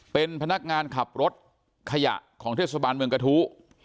เป็นพนักงานขับรถขยะของเทศบาลเมืองกระทู้